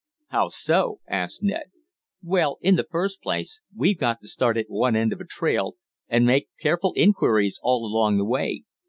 "How so?" asked Ned. "Well, in the first place we've got to start at one end of a trail, and make careful inquiries all along the way.